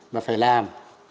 mà phải làm